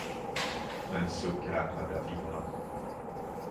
Med en suck räknade jag tiorna.